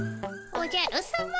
おじゃるさま。